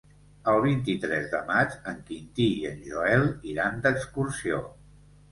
El vint-i-tres de maig en Quintí i en Joel iran d'excursió.